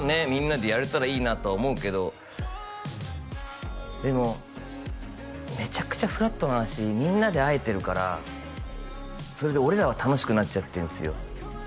みんなでやれたらいいなとは思うけどでもメチャクチャフラットな話みんなで会えてるからそれで俺らは楽しくなっちゃってんですよ